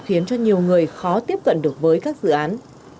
khiến cho nhiều người khó tiếp cận được với các dự án